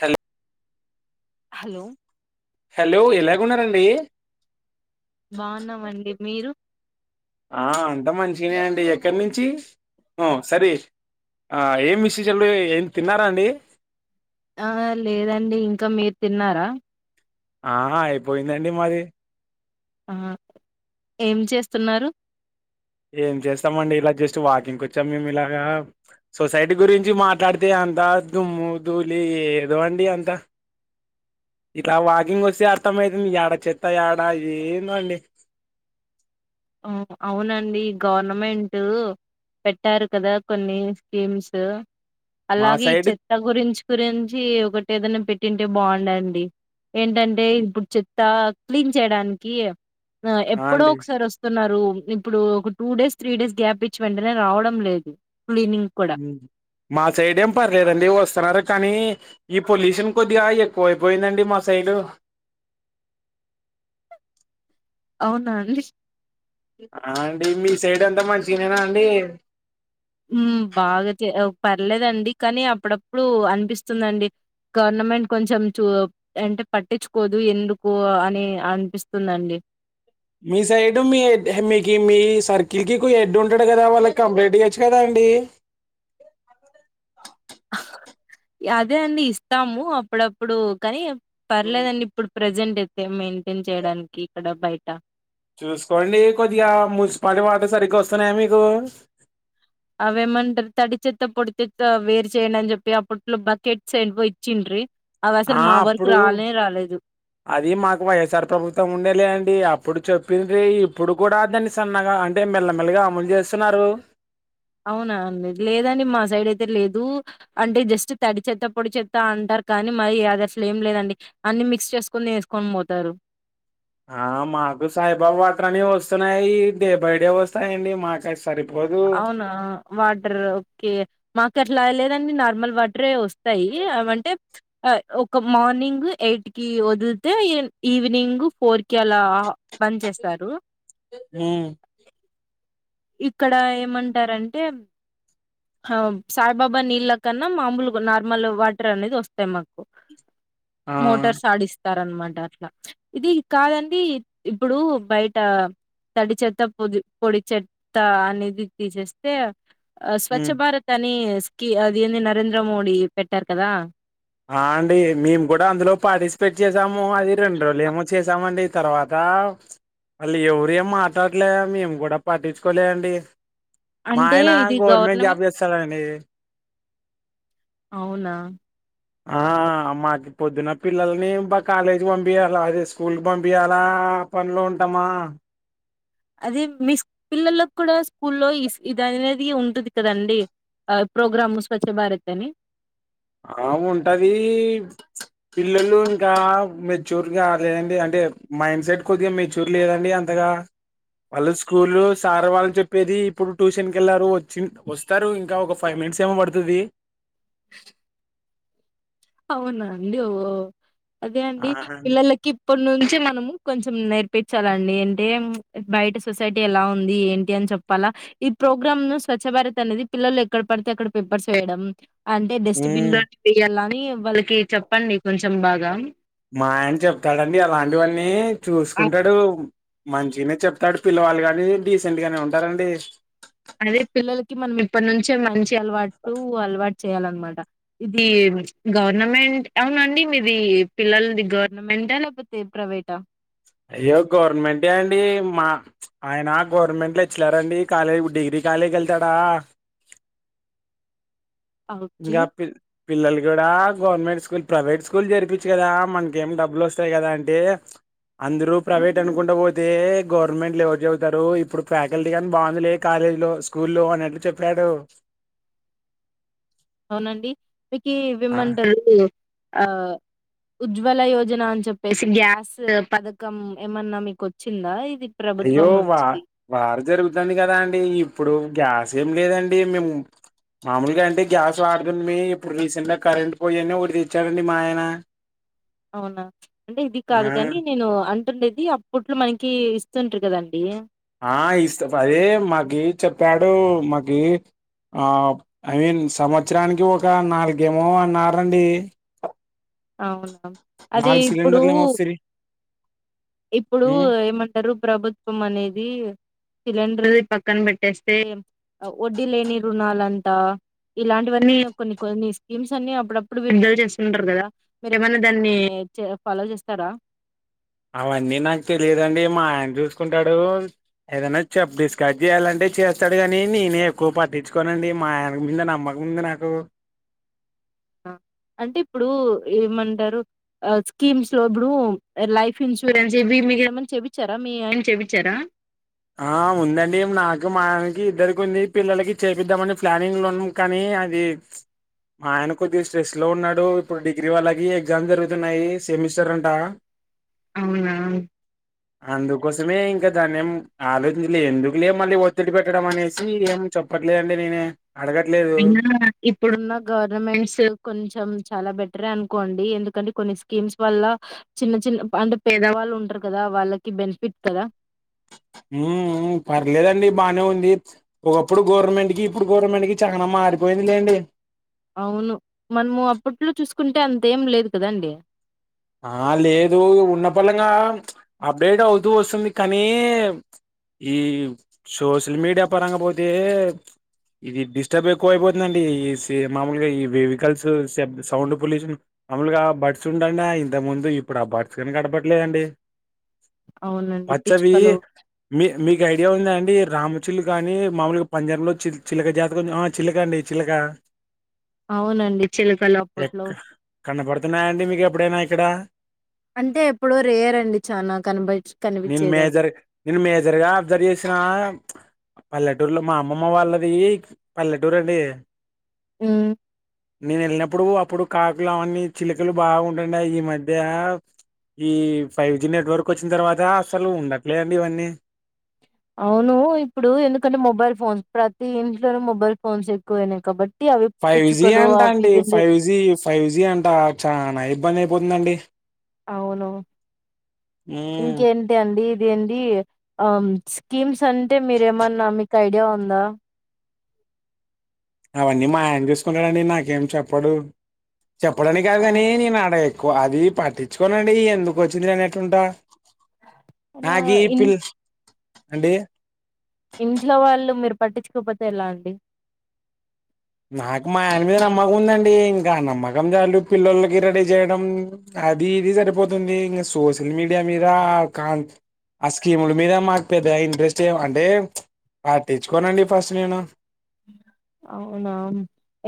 Hello hello hello ఎలాగున్నా రండి బాగున్నామండి మీరు ఆ [unintelligible] ఎక్కడి నుంచి ఉమ్ సరే ఆ ఏం మెసేజ్ ఏం తిన్నారా అండి ఆ లేదండి ఇంకా మీరు తిన్నారా ఆ అయిపోయిందండి మాది ఆ ఏం చేస్తున్నారు ఏం చేస్తామండి ఇలా జస్ట్ వాకింగ్ వచ్చాం మేము ఇలాగా సొసైటీ గురించి మాట్లాడితే అంత దుమ్ము ధూలి ఏదో అండి అంత ఇలా వాకింగ్ వస్తే అర్థమయితుంది యాడ చెత్త యాడ ఏంద అండి అవునండి గవర్నమెంట్ పెట్టారు కదా కొన్ని స్కీమ్స్ మా అలాగే ఈ సైడ్ చెత్త గురించి గురించి ఒకటి ఏదైనా పెట్టి పెట్టింటే బాగుండండి ఏంటంటే ఇప్పుడు చెత్త క్లీన్ చేయడానికి ఆ ఎప్పుడో అండి ఒకసారి వస్త ఇప్పుడు ఒక two days three days gap ఇచ్చి వెంటనే రావడం లేదు. క్లీనింగ్ కూడా మా సైడేమ్ పర్లేదండి వస్తున్నారు కానీ. ఈ పొల్యూషన్ కొద్దిగా ఎక్కువైపోయిందండి మా సైడ్. అవునా, అండి. ఆ అండి మీ సైడ్ ఎంత మంచిగనేనా అండి? హ్మ్! బాగకే. పర్లేదండి కానీ అప్పుడప్పుడు అనిపిస్తుందండి, గవర్నమెంట్ కొంచెం చూ అంటే పట్టించుకోదు ఎందుకు అని అనిపిస్తుందండి? మీ సైడ్ మీ మీకి మీ సర్కిల్ కి హెడ్ ఉంటాడు కదా, వాళ్ళకి కంప్లంట్ ఇయచ్చు కదా అండి. అదే అండి, ఇస్తాము అప్పుడప్పుడు కానీ. పర్లేదండి ఇప్పుడు. ప్రజెంట్ అయితే మెయింటైన్ చేయడానికి ఇక్కడ బయట. చూసుకోండి కొద్దిగా మున్సిపాలిటీ వాట సరిగ్గా వస్తున్నాయా మీకు? అవేమంట తడి చెత్త పొడితేత్త వేరు చేయ్యడి అని చెప్పి అప్పట్లో బకెట్స్ అనయి ఇచ్చిండ్రి. అవసలు ఆ మా వరకు అప్పుడు రానే రాలేదు. అది మాకు వైయస్ఆర్ ప్రభుత్వం ఉండేలే అండిప్పు. ఇప్పుడు చెప్పింది ఇప్పుడు కూడా దాన్ని సన్నగా అంటే మెల్లమెల్లగా అమలు చేస్తున్నారు. అవునా అండి, లేదండి మా సైడ్ అయితే లేదు అంటే జస్ట్ తడి చెత్త పొడి చెత్త అంటారు కానీ, మరి అదేమ్ లేదండి అన్ని మిక్స్ చేసుకొని వేసుకొని పోతారు. ఆ మాకు సాయిబాబా వాటర్ని వస్తున్నాయి. డే బై డే వస్తాయిండి మాకు. సరిపోదు అవునా! వాటర్ ఓకే మా ఇక్కట్లా లేదండి నార్మల్ వాటర్ వస్తాయి. అంటే ఒక మార్నింగ్ ఎయిట్ కి వదితే ఈవినింగ్ ఫోర్ కి అలా. బంద్ చేస్తారు. ఉమ్, ఇక్కడ ఏమంటారంటే సాయిబాబా నీళ్ళ కన్నా మామూలు నార్మల్ వాటర్ అనేది వస్తాయి మాకు. ఆ మోటార్స్ ఆడిస్ స్తారనమాట అట్లా ఇది కాదండి, ఇప్పుడు బయట తడి చెత్త పొది పొడి చెత్త తా అనేది తీసేస్తే. స్వచ్ఛ ఉమ్. భారత్ అని! క అది అంది నరేంద్ర మోడీ పెట్టారు కదా? ఆ అండి, మేము కూడా అందులో పార్టిసిపేట్ చేసాము. ఆ అది రెండు రోజులే ఏమో చేసామండి. తర్వాత వాళ్ళు ఎవరు ఏం మాట్లాడలే మేము కూడా పట్టించుకోలే అండి. మా అంటే ఆయన ఇది గవర్నమెంట్ జాబ్ చేస్తారుండి. చేస్తారనండి. అవునా? ఆ మాకు పొద్దున పిల్లల్ని బ కాలేజీకి పంపించాలా? అదే స్కూల్ కి పంపియాలా పనిలో ఉంటామా? అదిే మీ స్ పిల్లల్లో కూడా స్కూల్లో ఇది అనేది ఉంటుది కదండి ఆ ప్రోగ్రామ్ స్వచ్ఛ భారత్ అని. ఆ ఉంటది పిల్లలు ఇంకా మెచ్యూర్గాలదండి. అంటే మైండ్ సెట్ కొద్దిగా మెచ్యూర్ లేదండి. అంతగా వాళ్ళు స్కూల్ సార్ వాళ్ళని చెప్పేది ఇప్పుడు ట్యూషన్కి వెళ్ళారు వచ్చి వస్తారు ఇంకా ఒక ఫైవ్ మినిట్స్ ఏమో పడుతాది. అవునా అండి ఓ అదే అండి పిల్లలకి ఇప్పటి నుంచి మనము. కొంచెం నేర్పించాలండి ఏంటే బయట సొసైటీ ఎలా ఉంది ఏంటి అని చెప్పాలా ఈ ప్రోగ్రామ్ ను స్వచ్ భారత్ అనేది పిల్లలు ఎక్కడ పడితే అక్కడ పేపర్స్ వేయడం. అంటే డస్ట్బిన్ ఉమ్ లో వయాలని వాళ్ళకి చెప్పండి కొంచెం బాగా మాయన చెప్తాడండి అలాంటివన్నీ అ చూసుకుంటాడు మంచిగానే చెప్తాడు పిల్లవాళ్ళ కాగాని డీసెంట్ గానే ఉంటారండి అదే పిల్లలకి మనం ఇప్పటి నుంచే మంచి అల్వాటు అల్వాట్టు చెయాలన్నమాట ఇది గవర్నమెంట్ అవునండి మీది పిల్లలది గవర్నమెంటా లేకపోతే ప్రైవేటా అయ్యో గవర్నమెంటే అండి మా ఆయన గవర్నమెంట్లు లెక్చర్ అండి కాలేజ్ డిగ్రీ కాలేజీ వెళ్తాడా ఓకే ఇంకా పి పిల్లలు కూడా గవర్నమెంట్ స్కూల్ ప్రైవేట్ స్కూల్ జరిపించు కదా మనక ఏమి డబ్బులు వస్తాయి కదా అంటే అందరూ ప్రైవేట్ అనుకుంటూ పోతే గవర్నమెంట్లు ఎవరు చదువుతారు ఇప్పుడు ఫ్యాకల్టీ కూడా బాగుందిలే కాలేజీలో స్కూల్లో అనేట్టు చెప్పాడు అవునండి కి ఆ విమంట ఆ ఉజ్వల యోజన అని చెప్పేసి గ్యాస్ పథకం ఏమన్నా మీకు వచ్చిందా ఇది అయ్యో ప్రభుత్వం వా నుంచి వారు జరుగుతుంది కదా అండి ఇప్పుడు గ్యాస్ ఏం లేదండి మేము మామూలుగా అంటే గ్యాస్ వాడుతుంది ఇప్పుడు రీసెంట్ గా కరెంట్ పోయానే ఉరి తెచ్చాడండి మా ఆయన అవునా అంటే ఇది కాదు ఆ కాని నేను అం టుండేది అప్పట్లో మనకి ఇస్తుంటారు కదండి ఆ ఇస్త అదే మాకి చెప్పాడు మాకి ఆ ఐ మీన్ సంవత్సరానికి ఒక నాలుగేమో అన్నారండి అవునా అదే నాలుగు ఇప్పుడు సిలిండర్లు ఏమో ఫ్రీ ఇప్పుడు ఉమ్ ఏమంటారు ప్రభుత్వం అనేది సిలిండర్ పక్కన పెట్టేస్తే వడ్డీ లేని రుణాలంతా ఇలాంటివన్నీ కొన్ని కొన్ని స్కీమ్స్ అన్ని అప్పుడప్పుడు విడుదల చేస్తుంటారు కదా మీరేమన్నా దాన్ని ఫాలో చేస్తారా అవన్నీ నాకు తెలియదండి మా ఆయన చూసుకుంటాడు ఏదైనా చెప్ డిస్కస్ చేయ్యాలంటే చేస్తాడు కాని నేనే ఎక్కువ పట్టించుకోనండి మా ఆయన మీద నమ్మకముంది నాకు అంటే ఇప్పుడు ఏమంటారు స్కీమ్స్ లో ఇప్పుడు లైఫ్ ఇన్సూరెన్స్ ఇవి మీకు ఏమన్నా చెపించారా మీ ఆయన చేపించారా ఆ ఉందండి నాకు మా ఆయనకి ఇద్దరికి ఉంది పిల్లలకి చేపిద్దామని ప్లానింగ్లు ఉన్నాం కానీ అది మా ఆయన కొద్దిగా స్ట్రెస్లో ఉన్నాడు ఇప్పుడు డిగ్రీ వాళ్ళకి ఎగ్జామ్ జరుగుతున్నాయి సెమిస్టర్ అంట అవునా అందుకోసమే ఇంకా ధనం ఆలోచించలే ఎందుకు లే మళ్ళీ ఒత్తిడి పెట్టడం అనేసి ఏం చెప్పట్లేదండి నేనే అడగట్లేదు అయినా ఇప్పుడున్న గవర్నమెంట్స్ కొంచెం చాలా బెటరే అనుకోండి ఎందుకంటే కొన్ని స్కీమ్స్ వల్ల చిన్న చిన్న అంటే పేదవాళ్ళు ఉంటారు కదా వాళ్ళకి బెనిఫిట్ కదా ఉ పర్లేదండి బానే ఉంది ఒకప్పుడు గవర్నమెంట్ కి ఇప్పుడు గవర్నమెంట్ కి చాల మారిపోయింది లేండి కుంటే అంత ఏం లేదు కదండి ఆ లేదు ఉన్న పలంగా అప్డేట్ అవుతూ వస్తుంది కానీ ఈ సోషల్ మీడియా పరంగా పోతే ఇది డిస్టర్బ్ ఎక్కువ అపోతుందండి ఈ సే మామూలుగా ఈ వెహికల్స్బ్ సౌండ్ పొల్యూషన్ మామలుగా బడ్స్ ఉంటనే ఇంతే ముందు ఇప్పుడు అబ్బార్స్ కూడా కనపట్లేదండి అవునండి పచ్చవి పిచ్చుకలు మీ మీకు ఐడియా ఉంద అండి రామచిలుక అని మామూలుగా పంజాబలో చి చిలక జాతక ఆ చిల్లక అండి చిల్లక అవునండి చిలుకలు ఎక అప్పట్లో కనపడుతున్నాయండి మీకు ఎప్పుడైనా అక్కడ అంటే ఎప్పుడో రేయర్అండి చాలనా కబచ్ నేను కనిపించేది అవి. మేజర్ నేను మేజర్ గా అబ్జర్వ్ చేసిన పల్లెటూరులో మా అమ్మమ్మ వాళ్ళది, పల్లెటూర్ అండి. ఉమ్. నేన్ ఎళ్ళినప్పుడు అప్పుడు కాకులు అవన్నీ, చిలుకలు బాగున్. [inaudible] ఉన్నాయి. ఈ మధ్య ఈ ఫైవ్ జి నెట్వర్క్ వచ్చిన తర్వాత అసలు ఉండట్లే అండి ఇవన్నీ. అవును, ఇప్పుడు ఎందుకంటే మొబైల్ ఫోన్స్, ప్రతి ఇంట్లోనూ మొబైల్ ఫోన్స్ ఎక్కువైనాయి కాబట్. ఫైవ్ జి అంటా అండి, ఫైవ్ జి ఫైవ్ జి అంట చానా ఇబ్బంది అయి. [inaudible] పొందండి. అవును, హ్మ్. ఇంకేంతి అండి. [unintelligible] అండి ఆ స్కీమ్స్ అంటే మీరేమన్నా మీకు ఐడియా ఉందా. అవన్నీ మా ఆయన చూసుకుంటాడండి, నాకేం చెప్పాడు. చెప్పడానికి ఆ కాదుగానీ, నేన్ ఆడ. [inaudible] ఓ అది పట్టించుకోనండి, ఎందుకు ఓచ్చింది అని అట్లుంటా. నా నాగి ఇన్ పిల్చ్. అండి. ఇంట్లో వాళ్ళు, మీర్ పట్టించుకోపోతే ఎలా అండి. నాకు మా ఆయన మీద నమ్మకం ఉందండి, ఇంకా నమ్మకం జాలు పిల్లోలాకి రెడీ చేయడం, అది ఇది సరిపోతుంది. ఇంగా సోషల్ మీడియా మీద కాంత్. ఆ స్కీముల మీద మాకు పెద్ద ఇంట్రెస్ట్ ఏ అంటే పట్టిచ్చుకోనండి ఫస్ట్ నేను. అవునా,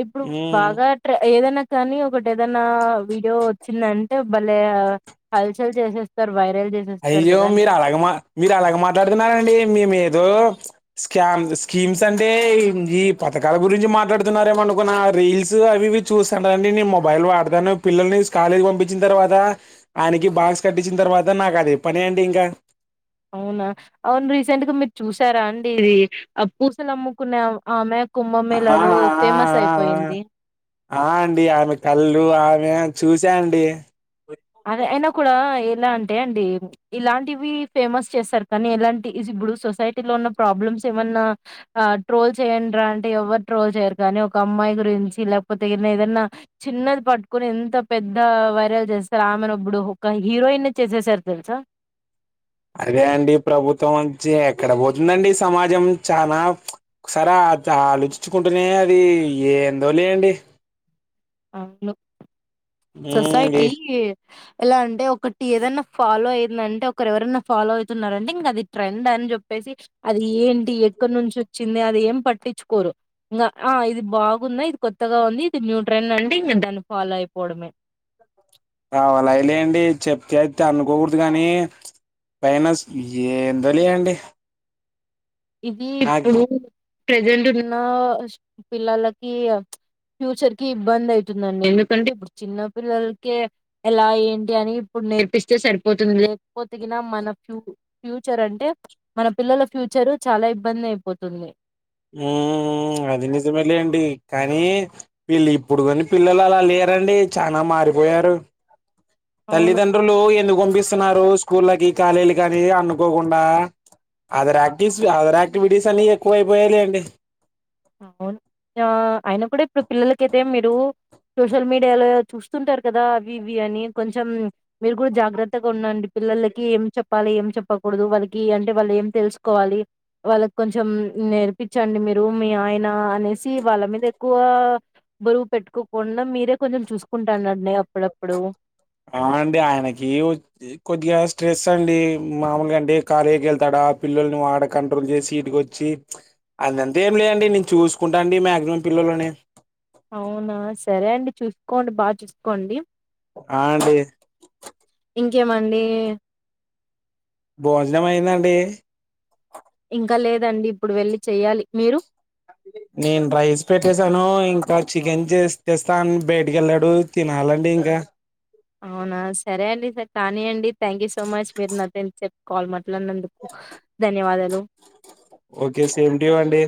ఎప్పుడు హ్మ్. బాగా ట్రై ఏదైనా. కానీ ఒకటి ఏదైనా వీడియో ఓచ్చిందంటే, బలే హల్చల్ జేసేస్తారు. [inaudible] అయ్యో మీరు అలాగ మాట్, మీరు అలాగ మాట్లాడుతున్నారండి మేం ఏదో. స్కామ్ స్కీమ్స్ అంటే ఈ పథకాల గురించి మాట్లాడుతున్నారేమో అనుకున్న. రీల్స్ అవి ఇవి చూసానండి నేన్ మొబైల్ వాడతాను. పిల్లల్ని స్కలేజ్ పంపించిన తర్వాత ఆయనకి బాక్స్ కట్టించిన తర్వాత నాక్. అదే పని అండి ఇంకా. అవునా. అవును రీసెంట్ గా మీర్ చూసారా అండి, ఇది ఆ పూసలు అమ్ముకునే ఆమె. ఆ ఆ కుంభమేళలో ఆ ఫేమస్ అయిపోయింది. ఆ, ఆ అండి ఆమె కళ్ళు, ఆ యా చూసాఅండి. అది అయినా కూడా ఎలా అంటే అండి, ఇలాంటివి ఫేమస్ చేస్తారు కానీ ఎలాంటి ఇప్పుడు సొసైటీ లో ఉన్న ప్రాబ్లమ్స్ ఏమన్నా ట్రోల్ చేయండిరా అంటే, ఎవరు ట్రోల్ చేయ్యరు కానీ ఒక అమ్మాయి గురించి, లేకపోతే ఏన్న ఏదన్నా చిన్నది పట్టుకోని, ఎంత పెద్ద వైరల్ చేస్త్. రామెన్అబ్బుడు ఒక హీరోయిన్ చేసేసారు తెల్స. అదే అండి ప్రభుత్వం నుంచి ఎక్కడ పోతుందండి సమాజం, చాలా ఒకసర చా ఆలోచించుకుంటూనే అది ఏందో లెండి. అవును ఉమ్ ఏ సొసైటీ. ఎలా అంటే ఒకటి ఏదనా ఫాలో అయిందంటే ఒకరు ఎవరనా ఫాలో అవుతున్నారంటే ఇంగా అది ట్రెండ్ అని జేప్పేసి, అది ఏంటి ఎక్కడి నుంచి ఓచ్చింది అది ఏం పట్టించుకోరు. ఇంగా ఆ ఇది బాగుందా, ఇది కొత్తగా ఉంది, ఇది న్యూ. ట్రెండ్ అండి, ఇంగా దాన్ని ఫాలో అయిపోవడమే. అవాలై లేండి చెప్తే ఐతే అనుకోకూడదు కాని, పైనస్ ఏందో లేండి. ఇది ఇప్పుడు. ప్రెజెంట్ ఉన్న షూ పిల్లలకి ఫ్యూచర్ కి ఇబ్బంది అయితుందండి, ఎందుకంటే ఇప్పుడు చిన్న పిల్లలకే ఎలా ఏంటి అని ఇప్పుడు నేర్పిస్తే సరిపోతుంది. లేకపోతే గిన మన ఫ్యూ ఫ్యూచర్ అంటే మన పిల్లల ఫ్యూచర్. చాలా ఇబ్బంది అయిపోతుంది. ఉమ్మ్, అది నిజమే లేండి కానీ, వీళ్ళు ఇప్పుడు గోని పిల్లలు అలా లేరండి చాల మారిపోయారు. అవును తల్లిదండ్రులు ఎందుకు. [unintelligible] పిస్తున్నారు స్కూళ్లకి, కాలేజ్ల కాని అనుకోకుండా, అదర్ యాక్టిస్లు, అదర్ యాక్టివిటీస్ అని ఎక్కువ అయిపోయాయి లేండి. అవును అయన కూడా ఇప్పుడు పిల్లలక అయితే మీరు సోషల్ మీడియాలో చూస్తుంటారు కదా అవి ఇవి అని కొంచెం మీరు కూడా జాగ్రత్తగా ఉన్నండి పిల్లలకి ఏం చెప్పాలి ఏం చెప్పకూడదు వాళ్ళకి అంటే వాళ్ళు ఏం తెలుసుకోవాలి వాళ్ళకి కొంచెం నేర్పించండి మీరు మీ ఆయన అనేసి వాళ్ళ మీద ఎక్కువ బరువు పెట్టుకోకుండా మీరే కొంచెం చూసుకుంటానడినే అప్పుడప్పుడు అవునండి ఆయనకి కొద్దిగా స్ట్రెస్ అండి మామూలుగా అంటే కళేీకి వెళ్తాడా పిల్లల్ని వాడ కంట్రోల్ చేసి ఇటుక వచ్చి అదంతా ఏం లేదండి నేను చూసుకుంటా అండి మాక్సిమం పిల్లలని అవునా సరే అండి చూసుకోండి బాగా చూసుకోండి ఆ అండి ఇంకేమండి భోజనం అయిందాండి ఇంకా లేదండి, ఇప్పుడు వెళ్లి చెయ్యాలి, మీరు నేను రైస్ పెట్టేసాను, ఇంకా చికెన్ చేస్తేస్తాను బయటకి వెళ్ళాడు తినాలండి ఇంకా అవునా సరే అండి కానీ అండి థ్యాంక్ యూ సో మచ్ మీరు నా సేపు చెప్పి కాల్ మాట్లాడినందుకు ధన్యవాదాలు ఓకే సేమ్ ్యూ అండి